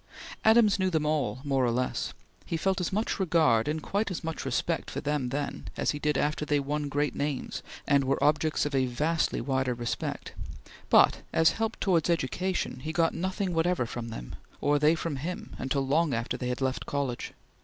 Adams knew them all, more or less; he felt as much regard, and quite as much respect for them then, as he did after they won great names and were objects of a vastly wider respect; but, as help towards education, he got nothing whatever from them or they from him until long after they had left college.